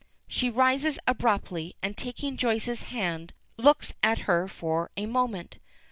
She rises abruptly, and, taking Joyce's hand, looks at her for a moment.